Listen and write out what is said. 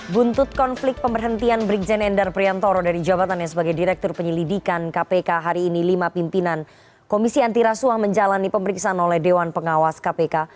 buntut konflik pemberhentian brigjen endar priantoro dari jabatannya sebagai direktur penyelidikan kpk hari ini lima pimpinan komisi antirasuang menjalani pemeriksaan oleh dewan pengawas kpk